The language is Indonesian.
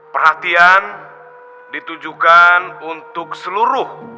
perhatian ditujukan untuk seluruh